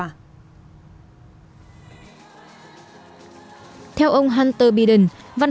theo ông hunter biden văn phòng chủ nghĩa của tổng thống mỹ joe biden cho biết ông hunter biden đã bị